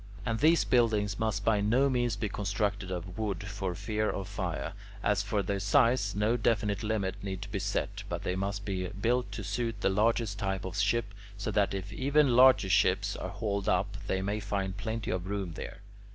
And these buildings must by no means be constructed of wood, for fear of fire. As for their size, no definite limit need be set, but they must be built to suit the largest type of ship, so that if even larger ships are hauled up, they may find plenty of room there.